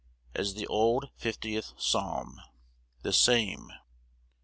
As the old 50th Psalm. The same.